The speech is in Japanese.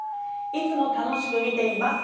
「いつもたのしくみています！